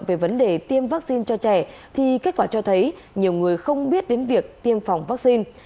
về vấn đề tiêm vaccine cho trẻ thì kết quả cho thấy nhiều người không biết đến việc tiêm phòng vaccine